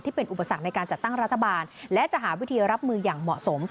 เป็นอุปสรรคในการจัดตั้งรัฐบาลและจะหาวิธีรับมืออย่างเหมาะสม